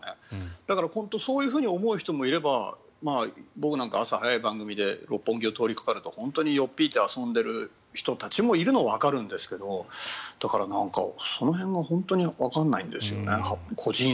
だから、そう思う人もいれば僕なんか朝早い番組で六本木を通りかかると本当によっぴいて遊んでいる人たちがいるのはわかるんですけどだから、その辺が本当にわからないんですよね。